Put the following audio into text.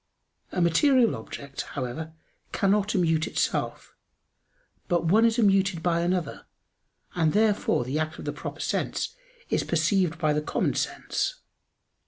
A material object, however, cannot immute itself; but one is immuted by another, and therefore the act of the proper sense is perceived by the common sense.